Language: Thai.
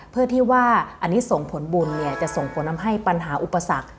เพื่อที่ว่าอันนี้ส่งผลบุญจะส่งผลทำให้ปัญหาอุปสรรค